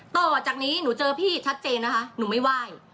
ต่อจากนี้หนูเจอพี่ชัดเจนนะคะหนูไม่ไหว้